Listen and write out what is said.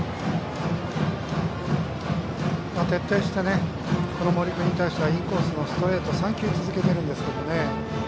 徹底して森君に対してインコースのストレート３球続けてるんですけどね。